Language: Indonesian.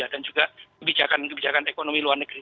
dan juga kebijakan ekonomi luar negeri